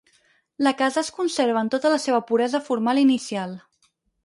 La casa es conserva en tota la seva puresa formal inicial.